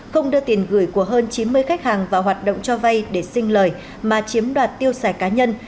không đưa tiền gửi của hơn chín mươi khách hàng vào hoạt động cho vay để sinh lời mà chiếm đoạt tiêu xài cá nhân